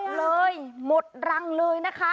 เลยหมดรังเลยนะคะ